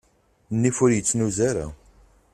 Nnif ur yettnuz ara.